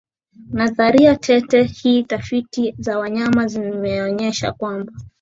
nadharia tete hii tafiti za wanyama zimeonyesha kwamba